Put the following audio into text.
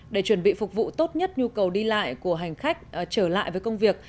để chuẩn bị phục vụ tốt nhất nhu cầu đi lại của hành khách trở lại với công việc